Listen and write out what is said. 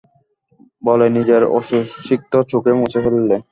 বলে নিজের অশ্রুসিক্ত চোখ মুছে ফেললে।